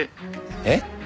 えっ！？